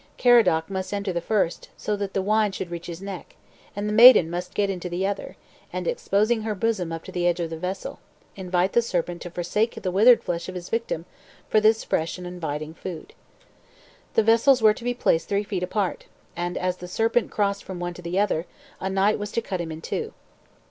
Caradoc must enter the first, so that the wine should reach his neck, and the maiden must get into the other, and, exposing her bosom upon the edge of the vessel, invite the serpent to forsake the withered flesh of his victim for this fresh and inviting food. The vessels were to be placed three feet apart, and as the serpent crossed from one to the other. a knight was to cut him in two.